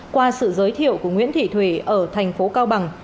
qua sự giới thiệu của nguyễn thị thủy ở thành phố cao bằng